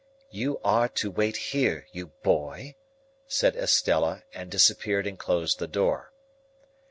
"You are to wait here, you boy," said Estella; and disappeared and closed the door.